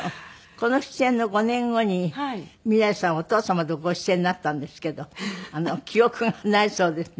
この出演の５年後に未來さんお父様とご出演になったんですけど記憶がないそうですね